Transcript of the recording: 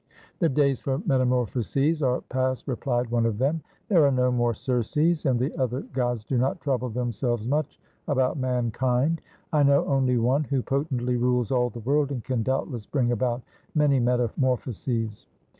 "The days for metamorphoses are past," replied one of them. "There are no more Circes, and the other gods do not trouble themselves much about mankind. I know only one, who potently rules all the world, and can doubtless bring about many metamorphoses."